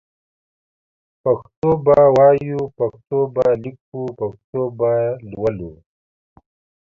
پښتو به وايو پښتو به ليکو پښتو به لولو